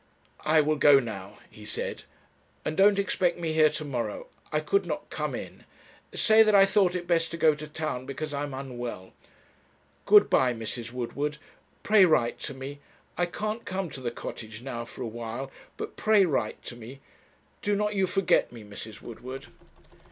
'I will go now,' he said, 'and don't expect me here to morrow. I could not come in. Say that I thought it best to go to town because I am unwell. Good bye, Mrs. Woodward; pray write to me. I can't come to the Cottage now for a while, but pray write to me: do not you forget me, Mrs. Woodward.'